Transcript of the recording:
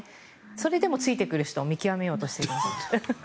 それでもついてくる人を見極めようとしているんだと。